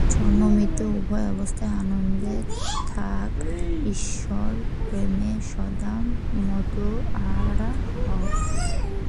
জন্ম-মৃত্যু উভয় অবস্থাতেই আনন্দে থাক, ঈশ্বরপ্রেমে সদা মাতোয়ারা হও।